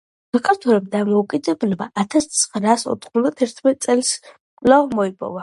საქართველომ დამოუკიდებლობა ათასცხრაასოთხმოცდათერთმეტი წელს კვლავ მოიპოვა.